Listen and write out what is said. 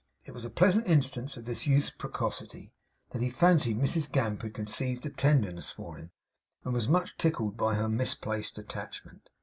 It was a pleasant instance of this youth's precocity, that he fancied Mrs Gamp had conceived a tenderness for him, and was much tickled by her misplaced attachment.